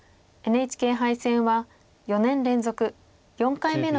ＮＨＫ杯戦は４年連続４回目の出場です。